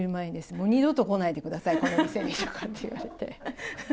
もう二度と来ないでください、この店にとか言われて。